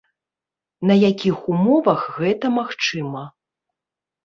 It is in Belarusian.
На якіх умовах гэта магчыма?